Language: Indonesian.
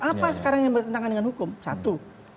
apa sekarang yang bertentangan dengan hukum satu